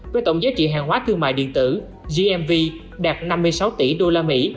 với tổng giá trị hàng hóa thương mại điện tử gmv đạt năm mươi sáu tỷ usd